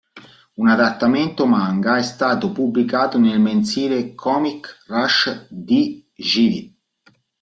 Un adattamento manga è stato pubblicato nel mensile Comic Rush di Jive.